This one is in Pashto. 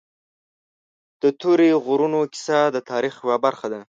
د تورې غرونو کیسه د تاریخ یوه برخه ده.